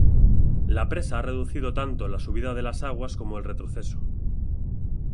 La presa ha reducido tanto la subida de las aguas como el retroceso.